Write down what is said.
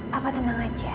papa tenang aja